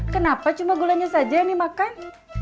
kenapa cuma gulanya saja yang dimakan